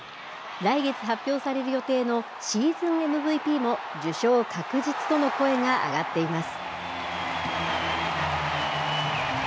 来月発表される予定のシーズンＭＶＰも受賞確実との声が上がっています。